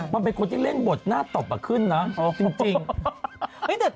มันเป็นคนที่เล่นบทหน้าตบขึ้นนะจริง